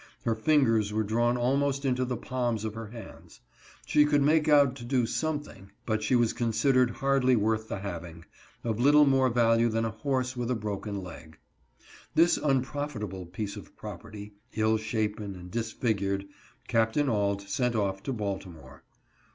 Her fingers were drawn almost into the palms of her hands. She could make out to do something, but she was considered hardly worth the hav ing — of little more value than a horse with a broken leg. This unprofitable piece of property, ill shapen, and disfigured, Capt. Auld sent off to Baltimore.